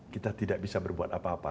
kita tidak bisa berbuat apa apa